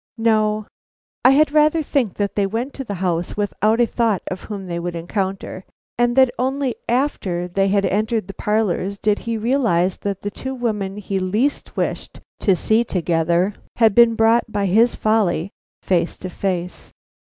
No; I had rather think that they went to the house without a thought of whom they would encounter, and that only after they had entered the parlors did he realize that the two women he least wished to see together had been brought by his folly face to face.